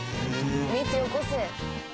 蜜よこせ！